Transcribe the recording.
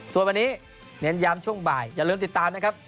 ส่วนวันนี้เน้นย้ำช่วงบ่ายอย่าลืมติดตามนะครับ